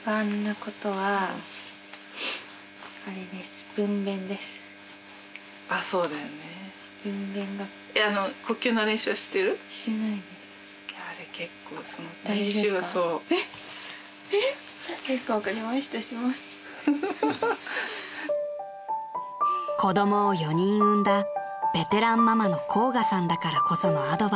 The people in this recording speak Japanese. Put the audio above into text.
［子供を４人産んだベテランママの甲賀さんだからこそのアドバイス］